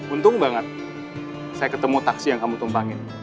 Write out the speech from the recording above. untung banget saya ketemu taksi yang kamu tumpangin